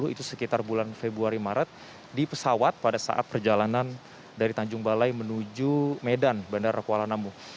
itu sekitar bulan februari maret di pesawat pada saat perjalanan dari tanjung balai menuju medan bandara kuala namu